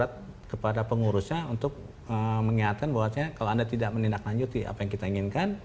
saya minta kepada pengurusnya untuk mengingatkan bahwa kalau anda tidak menindaklanjuti apa yang kita inginkan